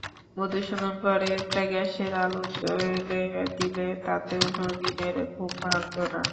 মধুসূদন ঘরে একটা গ্যাসের আলো জ্বেলে দিলে, তাতেও নবীনের ঘুম ভাঙল না।